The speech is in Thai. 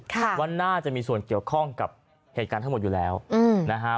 ว่าน่าจะมีส่วนเกี่ยวข้องกับเหตุการณ์ทั้งหมดอยู่แล้วอืมนะฮะ